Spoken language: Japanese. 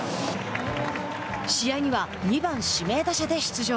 試合には２番指名打者で出場。